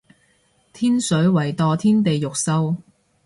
天水圍墮天地獄獸